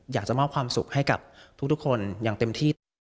อยากจะมอบความสุขให้กับทุกคนอย่างเต็มที่